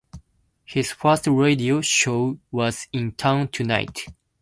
His first radio show was "In Town Tonight".